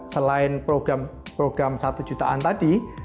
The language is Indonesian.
selain program satu jutaan tadi